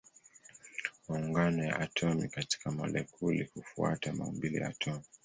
Maungano ya atomi katika molekuli hufuata maumbile ya atomi.